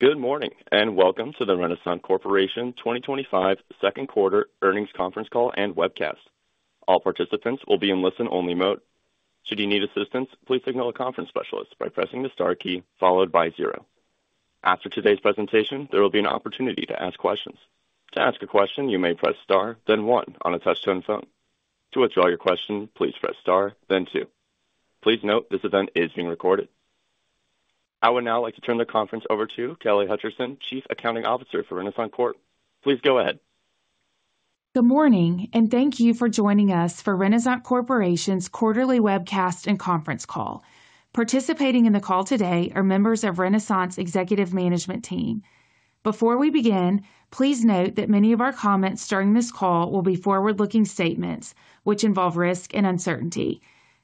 Good morning and welcome to the Renasant Corporation 2025 Second Quarter Earnings Conference Call and Webcast. All participants will be in listen-only mode. Should you need assistance, please signal a conference specialist by pressing the star key followed by zero. After today's presentation, there will be an opportunity to ask questions. To ask a question, you may press star then one on a touchtone phone. To withdraw your question, please press star then two. Please note this event is being recorded. I would now like to turn the conference over to Kelly Hutcheson, Chief Accounting Officer for Renasant Corp. Please go ahead. Good morning and thank you for joining us for Renasant Corporation's quarterly webcast and conference call. Participating in the call today are members of Renasant Executive Management Team. Before we begin, please note that many of our comments during this call will be forward-looking statements which involve risk and uncertainty.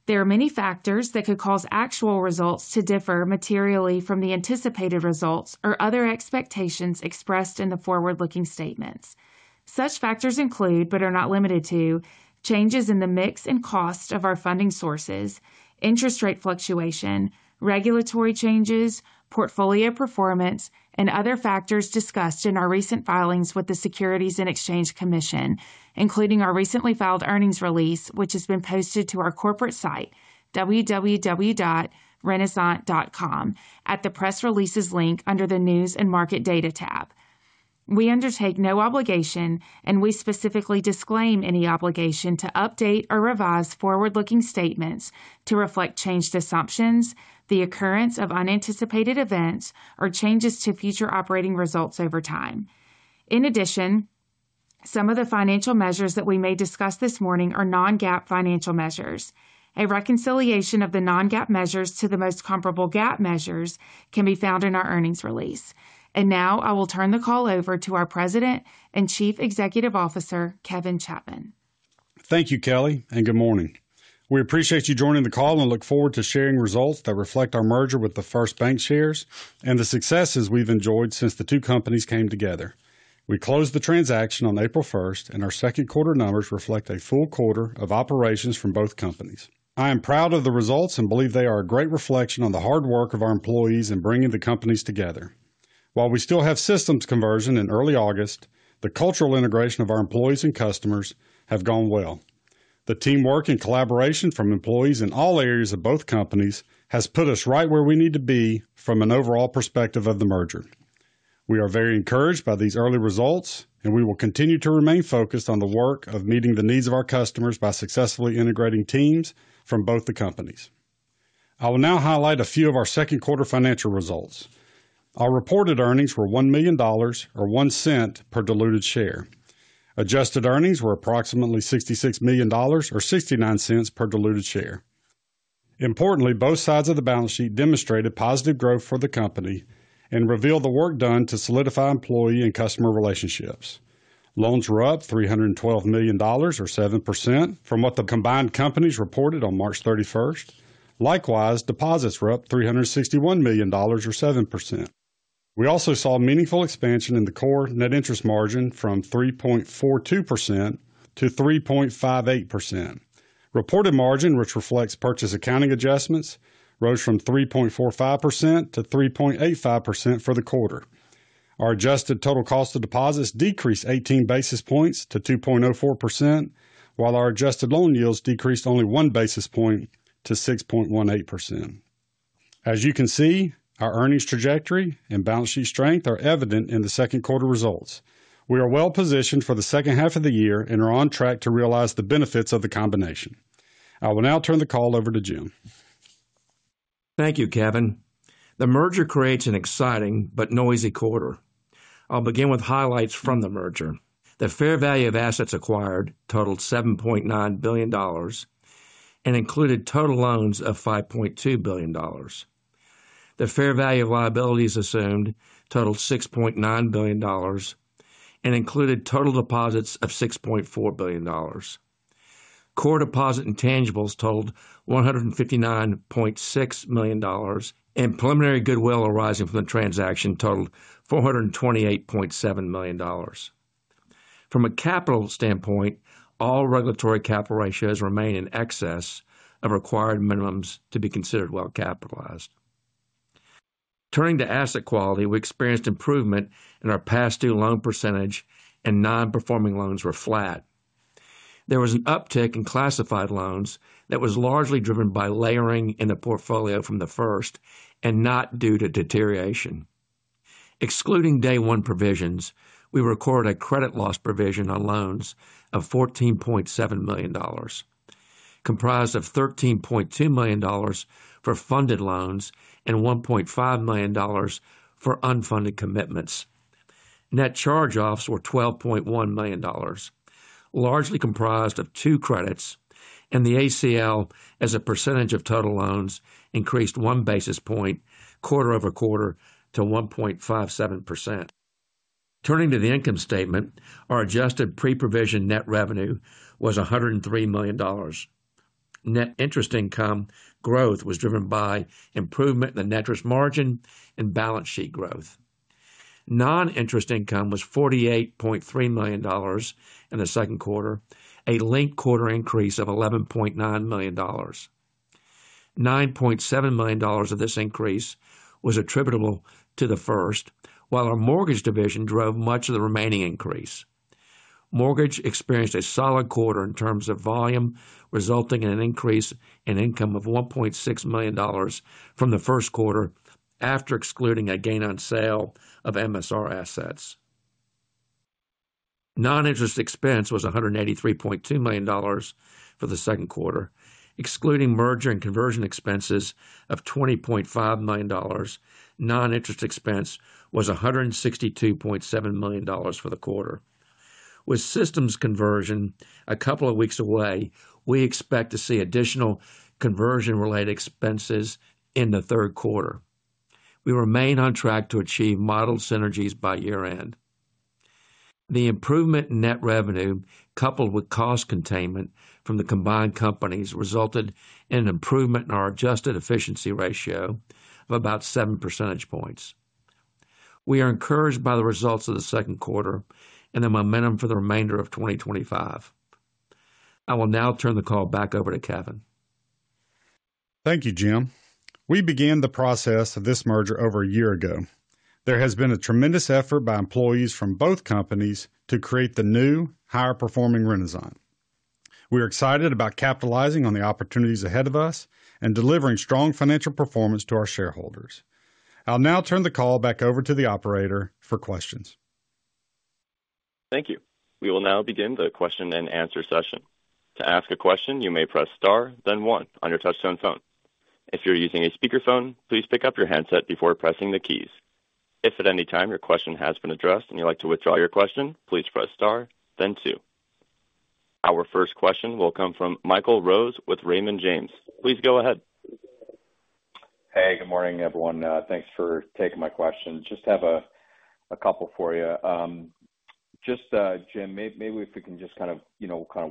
There are many factors that could cause actual results to differ materially from the anticipated results or other expectations expressed in the forward-looking statements. Such factors include, but are not limited to, changes in the mix and cost of our funding sources, interest rate fluctuation, regulatory changes, portfolio performance, and other factors discussed in our recent filings with the Securities and Exchange Commission, including our recently filed earnings release which has been posted to our corporate site www.renasant.com at the Press Releases link under the News and Market Data tab. We undertake no obligation, and we specifically disclaim any obligation, to update or revise forward-looking statements to reflect changed assumptions, the occurrence of unanticipated events, or changes to future operating results over time. In addition, some of the financial measures that we may discuss this morning are non-GAAP financial measures. A reconciliation of the non-GAAP measures to the most comparable GAAP measures can be found in our earnings release. Now I will turn the call over to our President and Chief Executive Officer Kevin Chapman. Thank you, Kelly, and good morning. We appreciate you joining the call and look forward to sharing results that reflect our merger with The First Bancshares and the successes we've enjoyed since the two companies came together. We closed the transaction on April 1 and our second quarter numbers reflect a full quarter of operations from both companies. I am proud of the results and believe they are a great reflection on the hard work of our employees in bringing the companies together. While we still have systems conversion in early August, the cultural integration of our employees and customers has gone well. The teamwork and collaboration from employees in all areas of both companies has put us right where we need to be from an overall perspective of the merger. We are very encouraged by these early results and we will continue to remain focused on the work of meeting the needs of our customers by successfully integrating teams from both the companies. I will now highlight a few of our second quarter financial results. Our reported earnings were $1 million or $0.01 per diluted share. Adjusted earnings were approximately $66 million or $0.69 per diluted share. Importantly, both sides of the balance sheet demonstrated positive growth for the company and revealed the work done to solidify employee and customer relationships. Loans were up $312 million or 7% from what the combined companies reported on March 31st. Likewise, deposits were up $361 million or 7%. We also saw meaningful expansion in the core net interest margin from 3.42%-3.58%. Reported margin, which reflects purchase accounting adjustments, rose from 3.45%-3.85% for the quarter. Our adjusted total cost of deposits decreased 18 basis points to 2.04% while our adjusted loan yields decreased only 1 basis point to 6.18%. As you can see, our earnings trajectory and balance sheet strength are evident in the second quarter results. We are well positioned for the second half of the year and are on track to realize the benefits of the combination. I will now turn the call over to Jim. Thank you, Kevin. The merger creates an exciting but noisy quarter. I'll begin with highlights from the merger. The fair value of assets acquired totaled $7.9 billion and included total loans of $5.2 billion. The fair value of liabilities assumed totaled $6.9 billion and included total deposits of $6.4 billion. Core deposit intangibles totaled $159.6 million and preliminary goodwill arising from the transaction totaled $428.7 million. From a capital standpoint, all regulatory capital ratios remain in excess of required minimums to be considered well capitalized. Turning to asset quality, we experienced improvement in our past due loan percentage and nonperforming loans were flat. There was an uptick in classified loans that was largely driven by layering in the portfolio from The First and not due to deterioration. Excluding day one provisions, we recorded a credit loss provision on loans of $14.7 million comprised of $13.2 million for funded loans and $1.5 million for unfunded commitments. Net charge-offs were $12.1 million largely comprised of two credits and the ACL as a percentage of total loans increased 1 basis point quarter over quarter to 1.57%. Turning to the income statement, our adjusted pre-provision net revenue was $103 million. Net interest income growth was driven by improvement in the net interest margin and balance sheet growth. Noninterest income was $48.3 million in the second quarter, a linked quarter increase of $11.9 million. $9.7 million. Of this increase was attributable to The First while our mortgage division drove much of the remaining increase. Mortgage experienced a solid quarter in terms of volume, resulting in an increase in income of $1.6 million from the first quarter after excluding a gain on sale of MSR assets. Noninterest expense was $183.2 million for the second quarter. Excluding merger and conversion expenses of $20.5 million, noninterest expense was $162.7 million for the quarter. With systems conversion a couple of weeks away, we expect to see additional conversion-related expenses in the third quarter. We remain on track to achieve model synergies by year end. The improvement in net revenue, coupled with cost containment from the combined companies, resulted in an improvement in our adjusted efficiency ratio of about 7%. We are encouraged by the results of the second quarter and the momentum for the remainder of 2025. I will now turn the call back over to Kevin. Thank you, Jim. We began the process of this merger over a year ago. There has been a tremendous effort by employees from both companies to create the new higher performing Renasant. We are excited about capitalizing on the opportunities ahead of us and delivering strong financial performance to our shareholders. I'll now turn the call back over to the operator for questions. Thank you. We will now begin the question and answer session. To ask a question, you may press Star then one on your touchtone phone. If you're using a speakerphone, please pick up your handset before pressing the keys. If at any time your question has been addressed and you'd like to withdraw your question, please press Star then two. Our first question will come from Michael Rose with Raymond James. Please go ahead. Hey, good morning everyone. Thanks for taking my question. I just have a couple for you. Jim, maybe if we can just kind of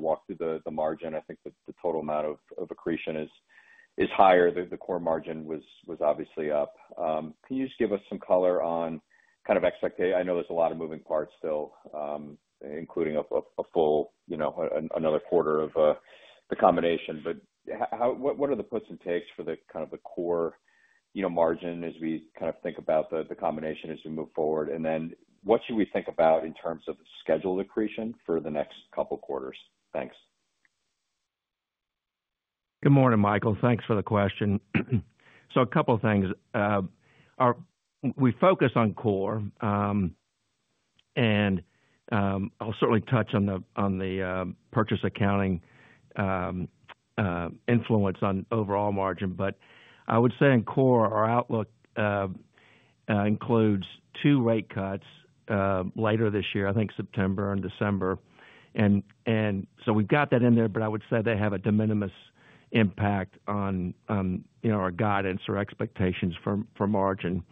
walk through the margin. I think that the total amount of accretion is higher. The core margin was obviously up. Can you just give us some color on expectation? I know there's a lot of moving parts, including a full another quarter of the combination. What are the puts and takes for the core margin as we think about the combination as we move forward, and then what should we think about in terms of scheduled accretion for the next couple quarters? Thanks. Good morning, Michael. Thanks for the question. A couple things we focus on core and I'll certainly touch on the purchase accounting influence on overall margin. I would say in core our outlook includes two rate cuts later this year, I think September and December. We've got that in there. I would say they have a de minimis impact on our guidance or expectations for margin.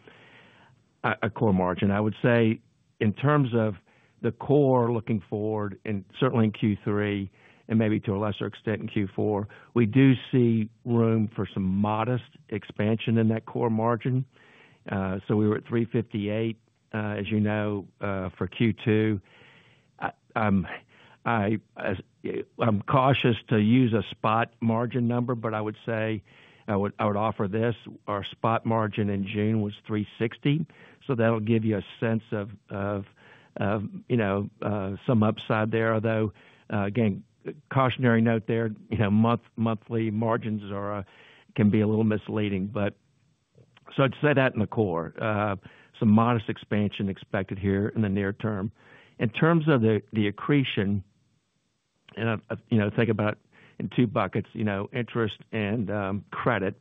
A core margin, I would say in terms of the core looking forward and certainly in Q3 and maybe to a lesser extent in Q4, we do see room for some modest expansion in that core margin. We were at 3.58% as you know, for Q2. I'm cautious to use a spot margin number, but I would offer this. Our spot margin in June was 3.60%, so that'll give you a sense of some upside there. Although, again, cautionary note there, monthly margins can be a little misleading. I'd say that in the core, some modest expansion expected here in the near term. In terms of the accretion, think about in two buckets, interest and credit.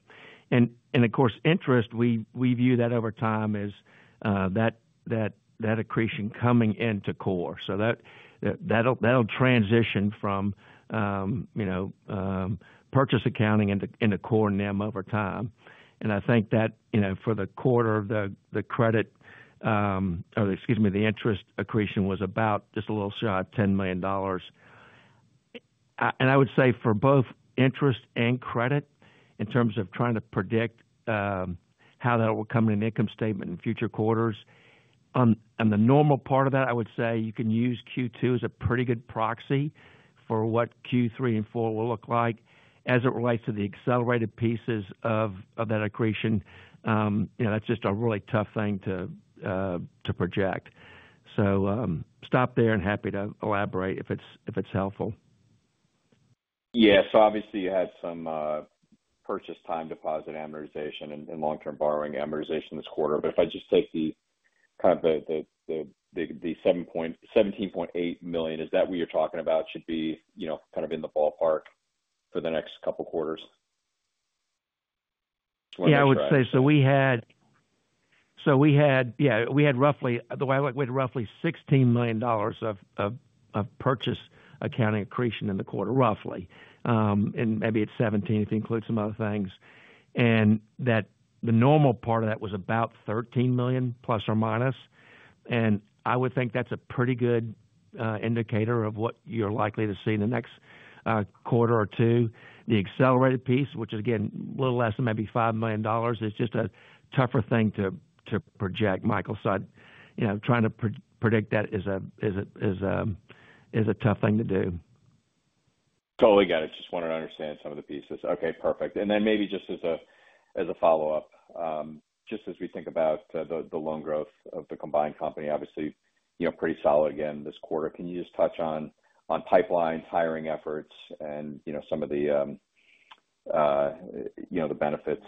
Of course, interest, we view that over time as that accretion coming into core. That'll transition from purchase accounting into core NIM over time. I think that for the quarter, the credit, excuse me, the interest accretion was about just a little shy of $10 million. I would say for both interest and credit, in terms of trying to predict how that will come in an income statement in future quarters and the normal part of that, I would say you can use Q2 as a pretty good proxy for what Q3 and Q4 will look like as it relates to the accelerated pieces of that accretion. That's just a really tough thing to project. Stop there and happy to elaborate if it's helpful. Yeah. Obviously you had some purchase accounting adjustments, deposit amortization, and long-term borrowing amortization this quarter. If I just take the $17.8 million, is that what you're talking about? Should be, you know, kind of in the ballpark for the next couple quarters. Yeah, I would say so. We had roughly $16 million of purchase accounting accretion in the quarter, roughly, and maybe it's $17 million if you include some other things. The normal part of that was about $13 million, plus or minus. I would think that's a pretty good indicator of what you're likely to see in the next quarter or two. The accelerated piece, which is again a little less than maybe $5 million, is just a tougher thing to project. Michael, you know, trying to predict that is a tough thing to do. Totally got it. Just wanted to understand some of the pieces. Okay, perfect. Maybe just as a follow up, just as we think. About the loan growth of the combined. Company, obviously, pretty solid again this quarter. Can you just touch on pipelines, hiring efforts, and some of the benefits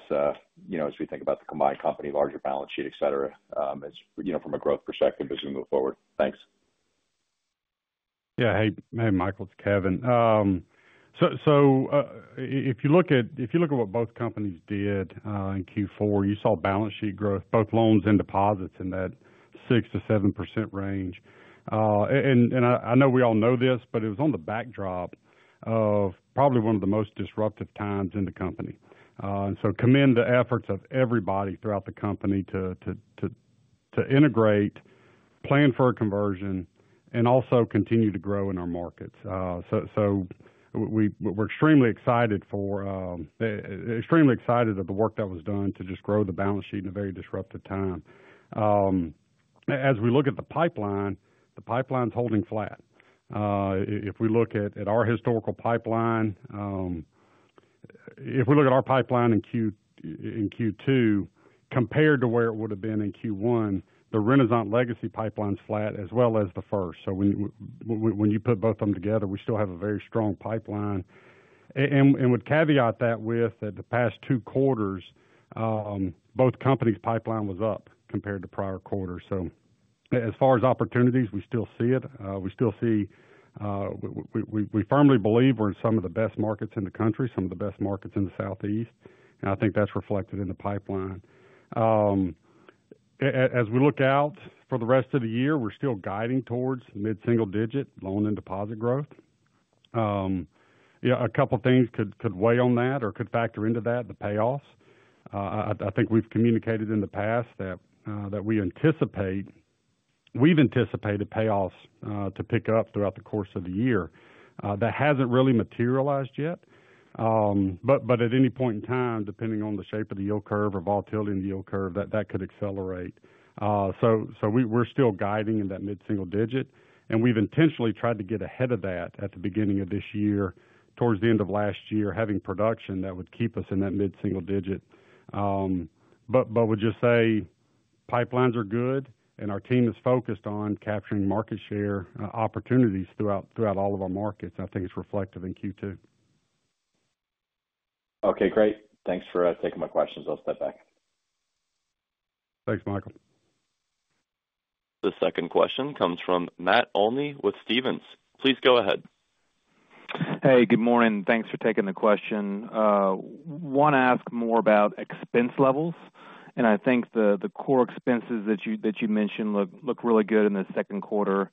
as we think about the combined company, larger balance sheet, et cetera, from a growth perspective as we move forward. Thanks. Yeah. Hey Michael, it's Kevin. If you look at what both companies did in Q4, you saw balance sheet growth, both loans and deposits in that 6%-7% range. I know we all know this, but it was on the backdrop of probably one of the most disruptive times in the company. I commend the efforts of everybody throughout the company to integrate, plan for a conversion, and also continue to grow in our markets. We're extremely excited for, extremely excited of the work that was done to just grow the balance sheet in a very disruptive time. As we look at the pipeline, the pipeline's holding flat. If we look at our historical pipeline, if we look at our pipeline in Q2 compared to where it would have been in Q1, the Renasant legacy pipeline's flat as well as The First. When you put both of them together, we still have a very strong pipeline and would caveat that with that. The past two quarters, both companies' pipeline was up compared to prior quarters. As far as opportunities, we still see it, we still see, we firmly believe we're in some of the best markets in the country, some of the best markets in the Southeast. I think that's reflected in the pipeline. As we look out for the rest of the year, we're still guiding towards mid single digit loan and deposit growth. A couple of things could weigh on that or could factor into that, the payoffs. I think we've communicated in the past that we anticipate, we've anticipated payoffs to pick up throughout the course of the year. That hasn't really materialized yet. At any point in time, depending on the shape of the yield curve or volatility in the yield curve, that could accelerate. We're still guiding in that mid single digit and we've intentionally tried to get ahead of that at the beginning of this year towards the end of last year having production that would keep us in that mid single digit, but would just say pipelines are good and our team is focused on capturing market share opportunities throughout all of our markets. I think it's reflective in Q2. Okay, great. Thanks for taking my questions. I'll step back. Thanks, Michael. The second question comes from Matt Olney with Stephens. Please go ahead. Hey, good morning. Thanks for taking the question. Want to ask more about expense levels, and I think the core expenses that you mentioned look really good in the second quarter.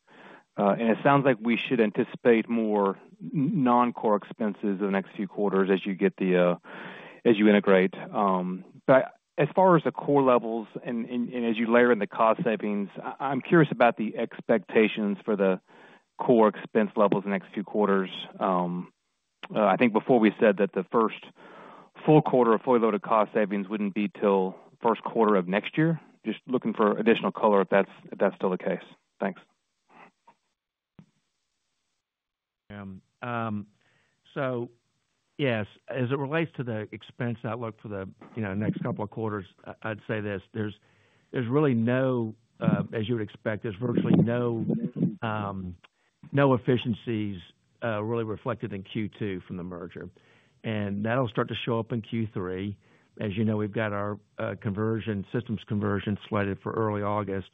It sounds like we should anticipate more non-core expenses the next few quarters as you integrate. As far as the core levels and as you layer in the cost savings, I'm curious about the expectations for the core expense levels in the next few quarters. I think before we said that the first full quarter of fully loaded cost savings wouldn't be until the first quarter of next year. Just looking for additional color if that's still the case. Thanks. Yes, as it relates to the expense outlook for the next couple of quarters, I'd say this: there's really no, as you would expect, there's virtually no efficiencies really reflected in Q2 from the merger. That'll start to show up in Q3. As you know, we've got our systems conversion slated for early August,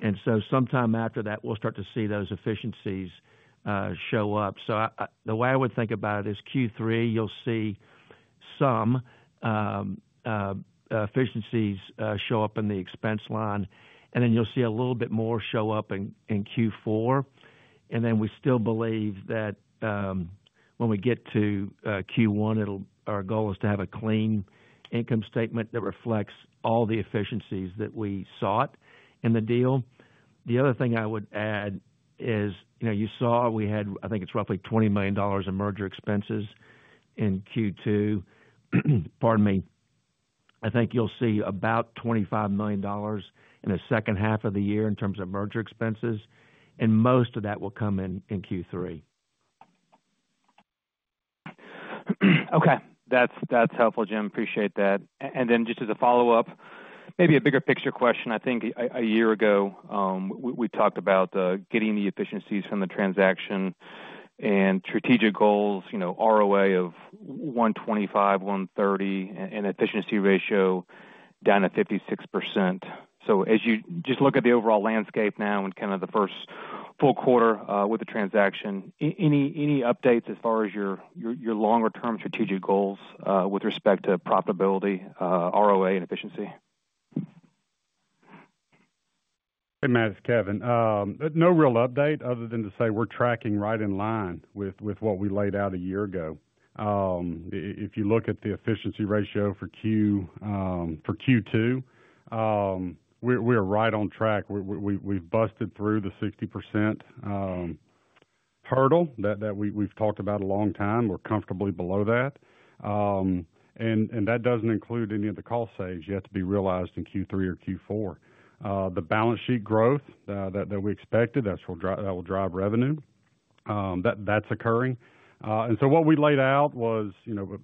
and sometime after that we'll start to see those efficiencies show up. The way I would think about it is Q3, you'll see some efficiencies show up in the expense line, and then you'll see a little bit more show up in Q4. We still believe that when we get to Q1, our goal is to have a clean income statement that reflects all the efficiencies that we sought in the deal. The other thing I would add is, you know, you saw we had, I think it's roughly $20 million in merger expenses in Q2. Pardon me, I think you'll see about $25 million in the second half of the year in terms of merger expenses, and most of that will come in Q3. Okay, that's helpful, Jim. Appreciate that. Just as a follow up, maybe a bigger picture question, I think a year ago we talked about getting the efficiencies from the transaction and strategic goals, you know, ROA of 1.25, 1.30 and efficiency ratio down to 56%. As you just look at the overall landscape now and kind of the first full quarter with the transaction, any updates as far as your longer term strategic goals with respect to profitability, ROA and efficiency? Hey Matt, it's Kevin. No real update other than to say we're tracking right in line with what we laid out a year ago. If you look at the efficiency ratio for Q2, we are right on track. We've busted through the 60% hurdle that we've talked about a long time. We're comfortably below that. That doesn't include any of the cost saves yet to be realized in Q3 or Q4. The balance sheet growth that we expected that will drive revenue, that's occurring. What we laid out was, you know,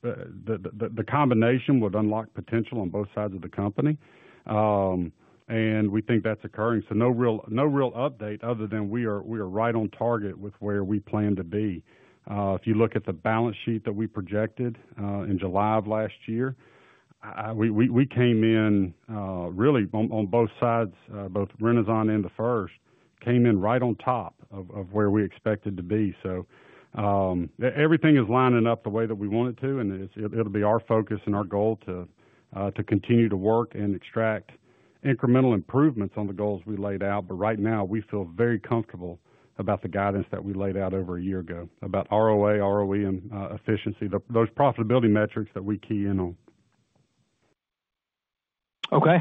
the combination would unlock potential on both sides of the company and we think that's occurring. No real update other than we are right on target with where we plan to be. If you look at the balance sheet that we projected in July of last year, we came in really on both sides. Both Renasant and The First Bancshares came in right on top of where we expected to be. Everything is lining up the way that we want it to and it'll be our focus and our goal to continue to work and extract incremental improvements on the goals we laid out. Right now we feel very comfortable about the guidance that we laid out over a year ago about ROA, ROE and efficiency, those profitability metrics that we key in on. Okay,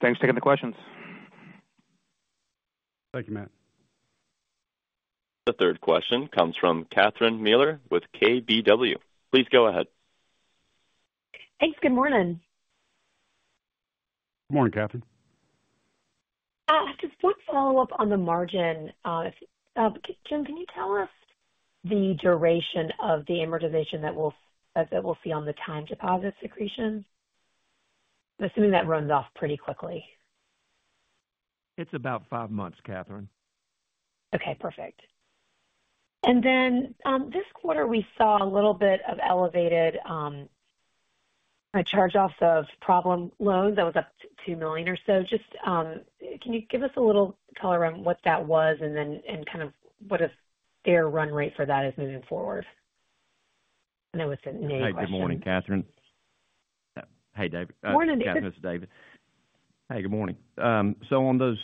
thanks for taking the questions. Thank you, Matt. The third question comes from Catherine Mealor with KBW. Please go ahead. Thanks. Good morning. Good morning, Catherine. Just one follow-up on the margin, Jim, can you tell us the duration of the amortization that we'll see on the time deposit secretion? I'm assuming that runs off pretty quickly. It's about five months, Catherine. Okay, perfect. This quarter we saw a little bit of elevated charge-offs of problem loans that was up to $2 million or so. Can you give us a little color on what that was and kind of what a fair run rate for that is moving forward? Hey, David. Morning. This is David. Good morning. On those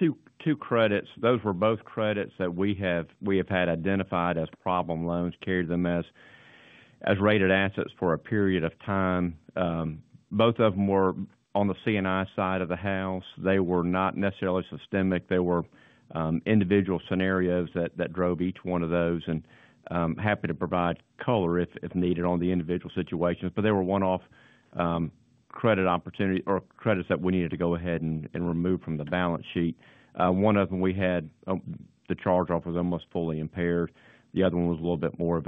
two credits, those were both credits that we have had identified as problem loans. Carried them as rated assets for a period of time. Both of them were on the C&I side of the house. They were not necessarily systemic. There were individual scenarios that drove each one of those, and happy to provide color if needed on the individual situations, but they were one-off credit opportunities or credits that we needed to go ahead and remove from the balance sheet. One of them, the charge-off was almost fully impaired. The other one was a little bit more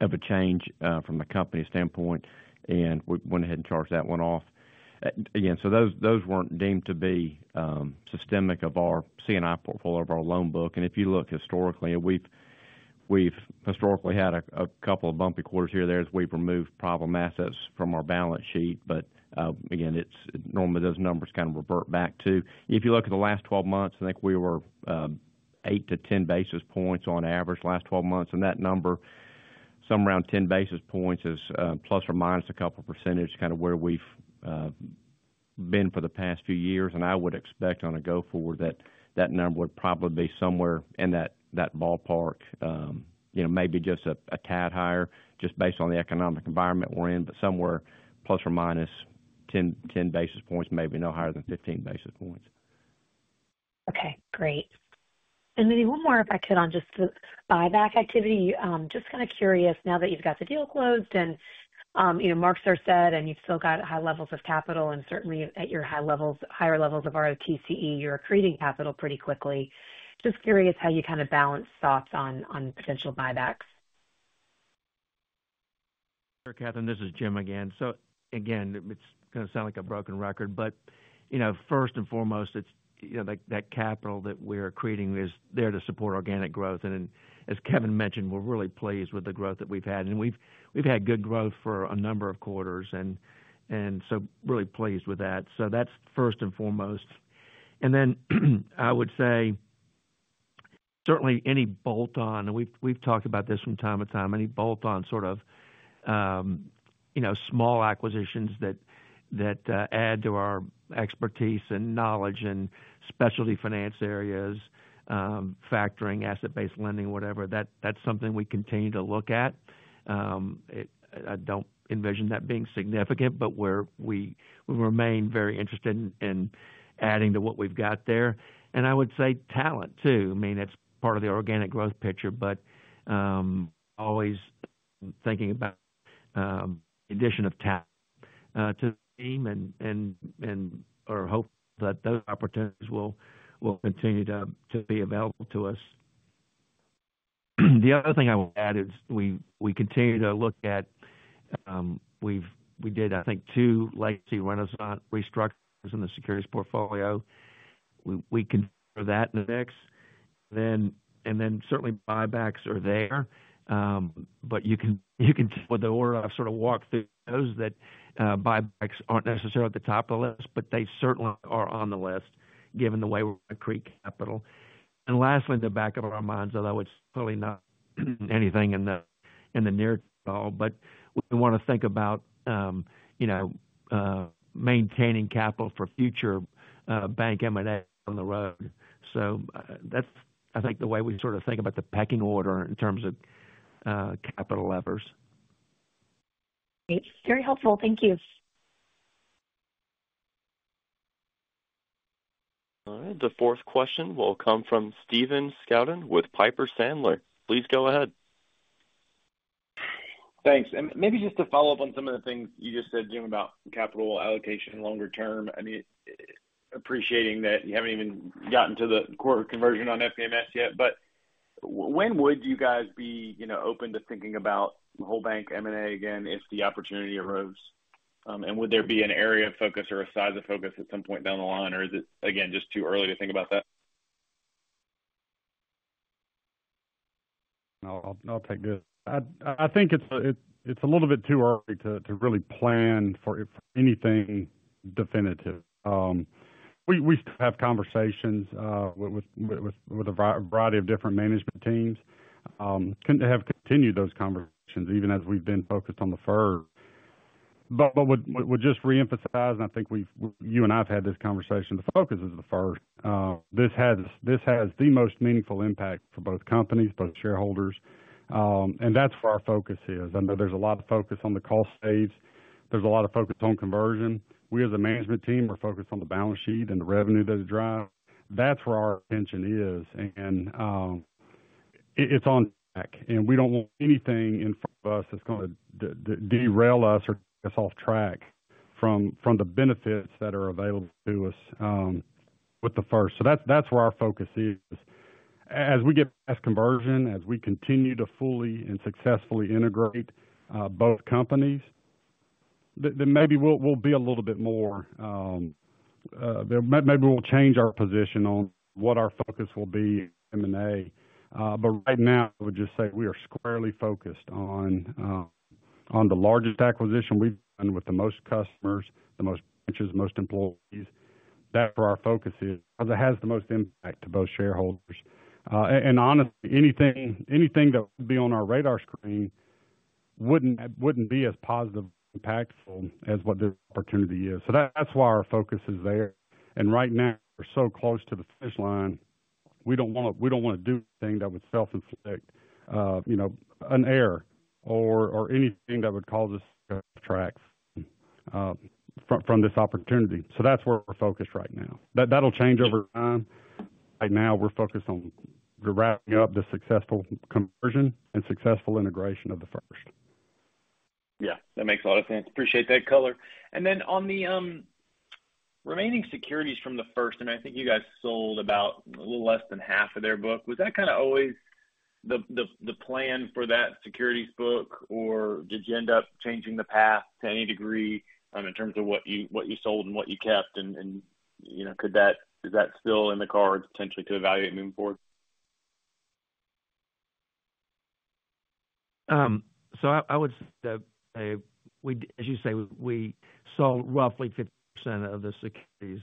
of a change from the company standpoint, and we went ahead and charged that one off again. Those weren't deemed to be systemic of our C&I portfolio, of our loan book. If you look historically, we've had a couple of bumpy quarters here and there as we've removed problem assets from our balance sheet. Normally, those numbers kind of revert back to, if you look at the last 12 months, I think we were 8-10 basis points on average the last 12 months. That number, somewhere around 10 basis points, is plus or minus a couple percentage, kind of where we've been for the past few years. I would expect on a go-forward basis that number would probably be somewhere in that ballpark, maybe just a tad higher just based on the economic environment we're in, but somewhere plus or minus 10 basis points, maybe no higher than 15 basis points. Okay, great. Maybe one more if I could on just the buyback activity. Just kind of curious now that you've got the deal closed and you know marks are set and you've still got high levels of capital and certainly at your high levels, higher levels of ROTCE, you're accreting capital pretty quickly. Just curious how you kind of balance thoughts on potential buybacks. Catherine, this is Jim again. It's going to sound like a broken record, but first and foremost, that capital that we're accreting is there to support organic growth. As Kevin mentioned, we're really pleased with the growth that we've had, and we've had good growth for a number of quarters, so really pleased with that. That's first and foremost. I would say certainly any bolt-on, and we've talked about this from time to time, any bolt-on sort of small acquisitions that add to our expertise and knowledge in specialty finance areas, factoring, asset-based lending, whatever, that's something we continue to look at. I don't envision that being significant, but we remain very interested in adding to what we've got there, and I would say talent too. It's part of the organic growth picture, but always thinking about addition of talent to the team, and are hopeful that those opportunities will continue to be available to us. The other thing I will add is we continue to look at, we did, I think, two legacy Renasant restructures in the securities portfolio. We continue for that index, and certainly buybacks are there, but you can tell with the order I've sort of walked through those that buybacks aren't necessarily at the top of the list, but they certainly are on the list given the way Creek Capital. Lastly, in the back of our minds, although it's clearly not anything in the near term, we want to think about maintaining capital for future bank M&A down the road. That's, I think, the way we sort of think about the pecking order in terms of capital levers. Very helpful, thank you. The fourth question will come from Stephen Scouten with Piper Sandler. Please go ahead. Thanks. Maybe just to follow up on some of the things you just said, Jim, about capital allocation longer term, appreciating that you haven't even gotten to the quarter conversion on FBMS yet. When would you guys be open to thinking about whole bank M&A again if the opportunity arose? Would there be an area of focus or a size of focus at? Some point down the line? Is it again just too early to think about that? I'll take this. I think it's a little bit too early to really plan for anything definitive. We have conversations with a variety of different management teams. We have continued those conversations even as we've been focused on The First. I'll just reemphasize, and I think you and I have had this conversation, the focus is The First. This has the most meaningful impact for both companies, both shareholders, and that's where our focus is. I know there's a lot of focus on the cost saves, there's a lot of focus on conversion. We as a management team are focused on the balance sheet and the revenue that it drives. That's where our attention is, and it's on track. We don't want anything in front of us that's going to derail us or get us off track from the benefits that are available to us with The First. That's where our focus is as we get past conversion, as we continue to fully and successfully integrate both companies. Then maybe we'll be a little bit more, maybe we'll change our position on what our focus will be, M&A. Right now I would just say we are squarely focused on the largest acquisition we've done with the most customers, the most branches, most employees. Our focus has the most impact to both shareholders, and honestly, anything that would be on our radar screen wouldn't be as positively impactful as what the opportunity is. That's why our focus is there. Right now we're so close to the finish line. We don't want to do anything that would self-inflict, you know, an error or anything that would cause us to stray from this opportunity. That's where we're focused right now. That'll change over time. Right now we're focused on wrapping up the successful conversion and successful integration of The First. Yeah, that makes a lot of sense. Appreciate that color. On the remaining securities from The First, I think you guys sold about a little less than half of their book. Was that kind of always the plan for that securities book, or did you end up changing the path to any degree in terms of what you sold and what you kept? Could that still be in the cards potentially to evaluate moving forward? I would say we sold roughly 50% of the securities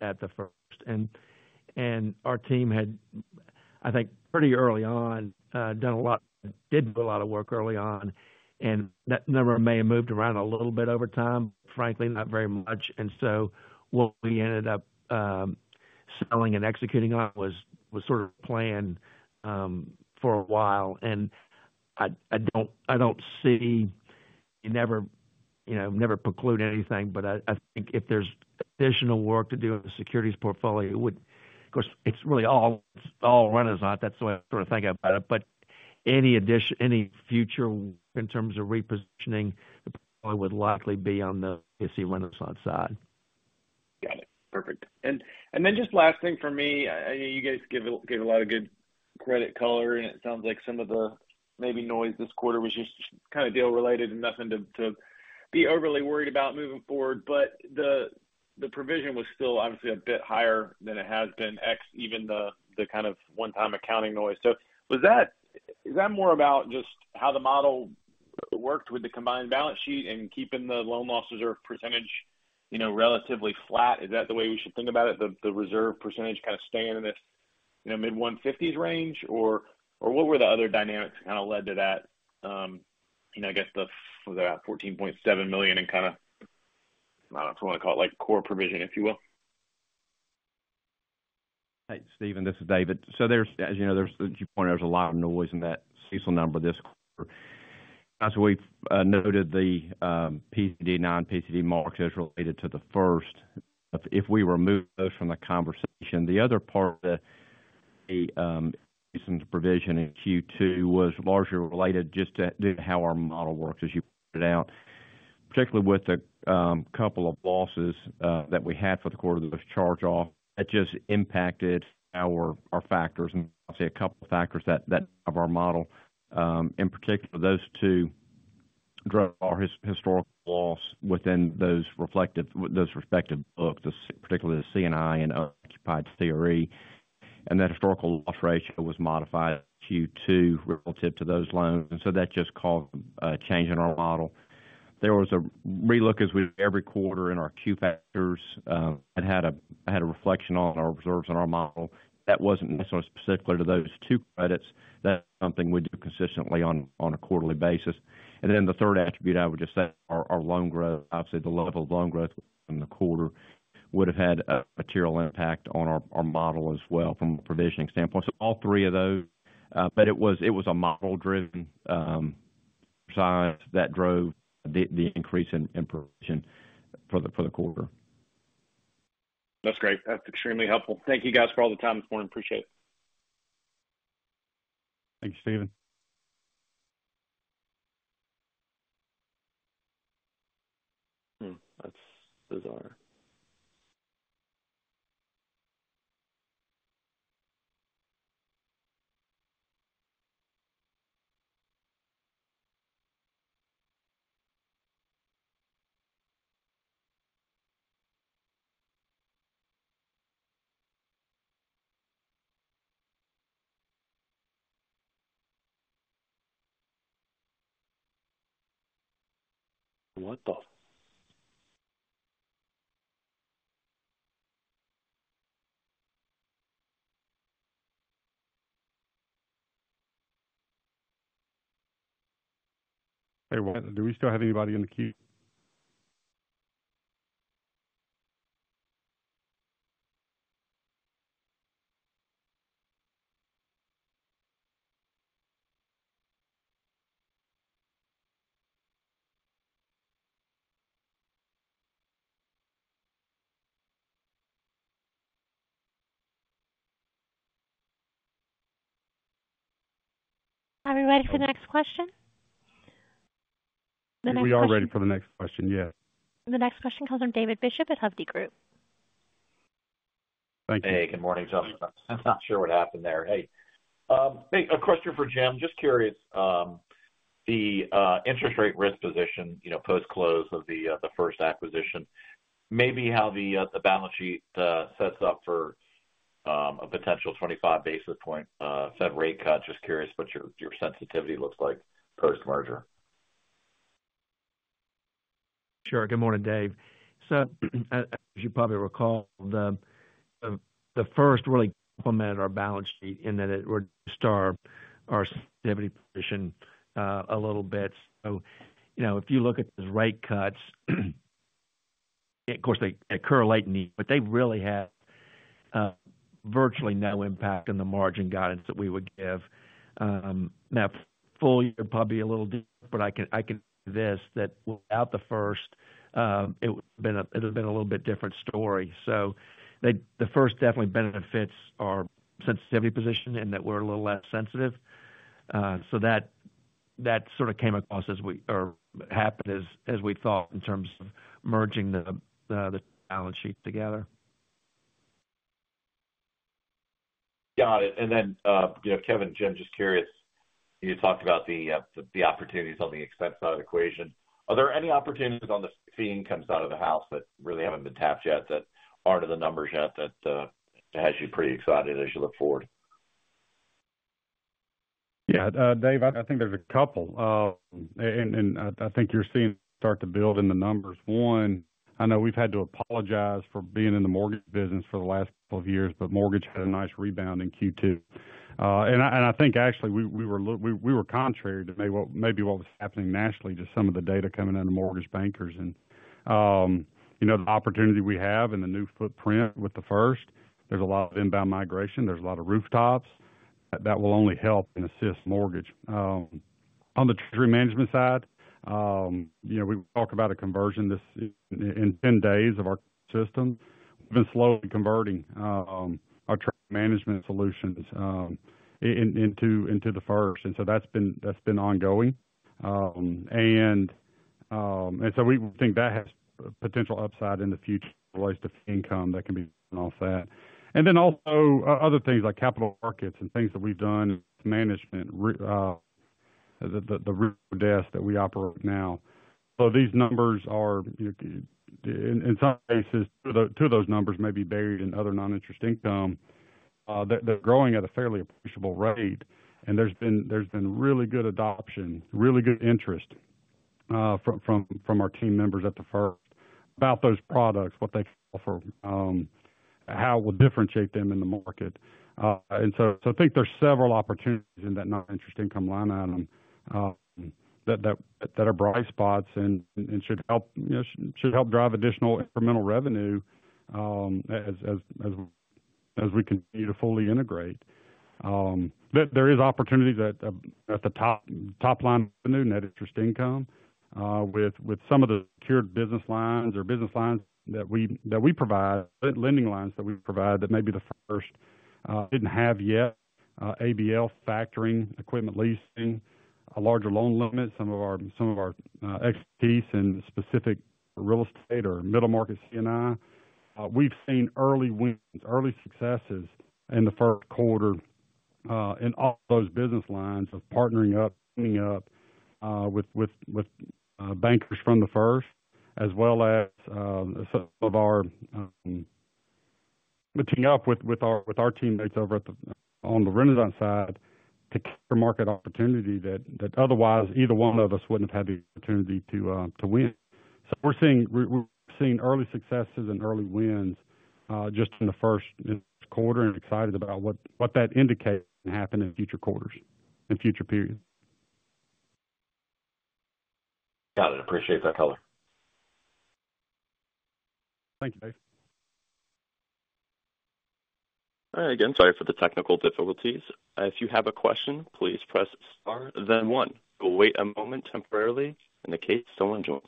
at the firm and our team had, I think, pretty early on done a lot, did a lot of work early on. That number may have moved around a little bit over time, frankly not very much. What we ended up selling and executing on was sort of planned for a while. I don't see, you never, you know, never preclude anything. If there's additional work to do in the securities portfolio, of course, it's really all Renasant. That's the way I sort of think about it. Any addition, any future in terms of repositioning would likely be on the Renasant side. Got it. Perfect. Just last thing for me, you guys gave a lot of good credit color and it sounds like some of the maybe noise this quarter was just kind of deal related and nothing to be overly worried about moving forward. The provision was still obviously a bit higher than it has been, even the kind of one-time accounting noise. Is that more about just how the model worked with the combined balance sheet and keeping the loan losses or percentage relatively flat? Is that the way we should think about it? The reserve percentage kind of staying in this mid-150s range, or what were the other dynamics that kind of led to that? Was that $14.7 million and, I don't know if you want to call it like core provision, if you will. Hey Stephen, this is David. As you know, you pointed out there's a lot of noise in that CECL number this quarter. As we noted, the PCD marks as related to The First. If we remove those from the conversation, the other part, the increase in the provision in Q2 was largely related just to how our model works, as you pointed out, particularly with a couple of losses that we had for the quarter that was charged off. That just impacted our factors, and I'll say a couple of factors of our model. In particular, those two drove our historical loss within those respective books, particularly the C&I and unoccupied CRE, and that historical loss ratio was modified Q2 relative to those loans. That just caused a change in our model. There was a relook, as we do every quarter, in our Q factors and had a reflection on our reserves on our model that wasn't necessarily specific to those two credits. That's something we do consistently on a quarterly basis. The third attribute, I would just say, our loan growth, obviously the level of loan growth in the quarter, would have had a material impact on our model as well from a provisioning standpoint. All three of those, but it was a model-driven size that drove the increase in provision for the quarter. That's great. That's extremely helpful. Thank you guys for all the time this morning. Appreciate it. Thank you, Stephen. That's bizarre. What the. Do we still have anybody in the queue? Are we ready for the next question? We are ready for the next question. Yes. The next question comes from David Bishop at Hovde Group. Thank you. Hey, good morning, John. I'm not sure what happened there. Hey, a question for Jim. Just curious. The interest rate risk position, you know, post close of The First acquisition, maybe how the balance sheet sets up for a potential 25 bps Fed rate cut. Just curious what your sensitivity looks like post merger. Sure. Good morning, Dave. As you probably recall, The First really complemented our balance sheet in that it would starve our a little bit. If you look at the rate cuts, of course, they occur late in the, but they really have virtually no impact on the margin guidance that we would give now. Full year, probably a little deeper. I can say that without The First, it would have been a little bit different story. The First definitely benefits our sensitivity position in that we're a little less sensitive. That sort of came across as we, or happened as we thought, in terms of merging the balance sheet together. Got it. Kevin, Jim, just curious, you talked about the opportunities on the expense side of the equation. Are there any opportunities on the fee income side of the house that really haven't been tapped yet, that aren't in the numbers yet, that has you pretty. Excited as you look forward. Yeah Dave, I think there's a couple and I think you're seeing start to build in the numbers. One, I know we've had to apologize for being in the mortgage business for the last couple of years, but mortgage had a nice rebound in Q2 and I think actually we were contrary to maybe what was happening nationally, just some of the data coming in the mortgage bankers and you know the opportunity we have in the new footprint with The First, there's a lot of inbound migration, there's a lot of rooftops that will only help and assist mortgage. On the treasury management side, you know we talk about a conversion in 10 days of our system. We've been slowly converting our treasury management solutions into The First and so that's been ongoing and we think that has potential upside in the future related to income that can be off that and then also other things like capital markets and things that we've done management, the desk that we operate now. These numbers are in some cases, two of those numbers may be buried in other noninterest income, they're growing at a fairly appreciable rate and there's been really good adoption, really good interest from our team members at The First about those products, what they can offer, how it will differentiate them in the market. I think there's several opportunities in that noninterest income line item that are bright spots and should help drive additional incremental revenue as we continue to fully integrate. There are opportunities at the top line revenue net interest income with some of the core business lines or business lines that we provide, lending lines that we provide that maybe The First didn't have yet: ABL, factoring, equipment leasing, a larger loan limit, some of our expertise in specific real estate or middle market C&I. We've seen early wins, early successes in the first quarter in all those business lines of partnering up with bankers from The First as well as some of our teammates over on the Renasant side to capture market opportunity that otherwise either one of us wouldn't have had the opportunity to win. We're seeing early successes and early wins just in the first quarter and excited about what that indicates will happen in future quarters and future periods. Got it. Appreciate that color. Thank you, David. Again, sorry for the technical difficulties. If you have a question, please press star then one. We'll wait a moment temporarily in the case someone joins.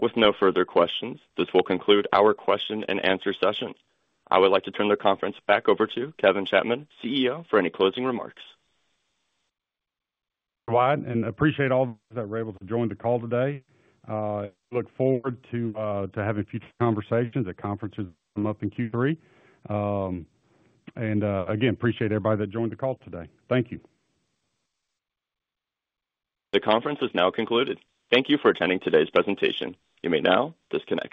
With no further questions, this will conclude our question and answer session. I would like to turn the conference back over to Kevin Chapman, CEO, for any closing remarks. Wyatt and appreciate all that were able to join the call today. Look forward to having future conversations at conferences in Q3 and again, appreciate everybody that joined the call today. Thank you. The conference has now concluded. Thank you for attending today's presentation. You may now disconnect.